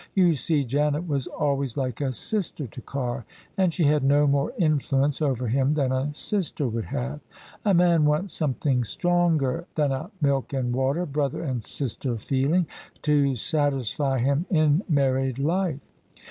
You see, Janet was always like a sister to Carr, and she had no more influence over him than a sister would have. A man wants something stronger than a milk and water, brother and sister feeling to satisfy him in mar ried life.